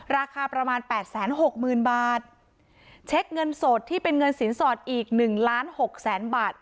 ราคาประมาณแปดแสนหกหมื่นบาทเช็คเงินสดที่เป็นเงินสินสอดอีกหนึ่งล้านหกแสนบาท